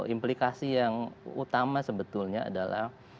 implikasi yang utama sebetulnya adalah